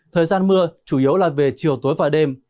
thời gian mưa chủ yếu là về chiều tối và đêm